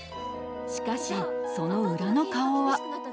しかしその裏の顔は。